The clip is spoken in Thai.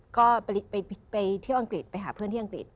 ก็ไปเที่ยวอังกฤษไปหาเพื่อนที่อังกฤษ